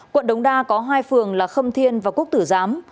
quận đống đa có hai phường là khâm thiên và quốc tử giám